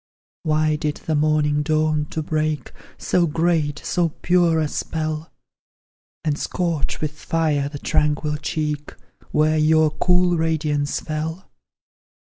Why did the morning dawn to break So great, so pure, a spell; And scorch with fire the tranquil cheek, Where your cool radiance fell?